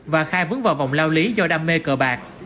và khai vướng vào vòng lao lý do đam mê cờ bạc